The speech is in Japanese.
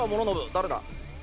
誰だ？